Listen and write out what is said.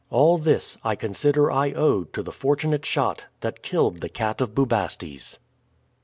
All this I consider I owe to the fortunate shot that killed the Cat of Bubastes."